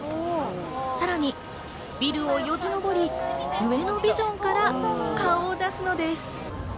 さらにビルをよじ登り、上のビジョンから顔を出すのです。